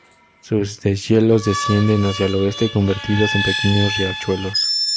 Sus deshielos descienden hacia el oeste convertidos en pequeños riachuelos.